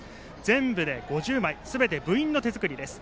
全部で５０枚すべて部員の手作りです。